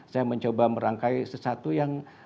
saya mencoba merangkai sesuatu yang